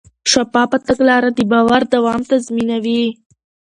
شفافه تګلاره د باور دوام تضمینوي.